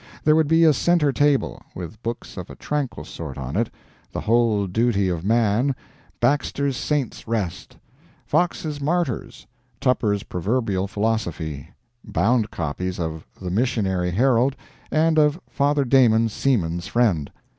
There would be a center table, with books of a tranquil sort on it: The Whole Duty of Man, Baxter's Saints' Rest, Fox's Martyrs, Tupper's Proverbial Philosophy, bound copies of The Missionary Herald and of Father Damon's Seaman's Friend.